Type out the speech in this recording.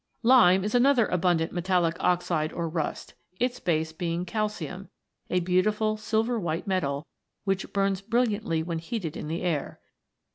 Lime is another abundant metallic oxide or rust, its base being calcium, a beautiful silver white metal, which burns brilliantly when heated in the air.